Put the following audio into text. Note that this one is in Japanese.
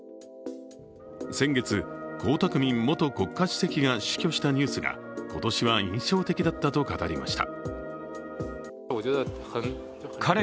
先月、江沢民元国家主席が死去したニュースが今年は印象的だったと語りました。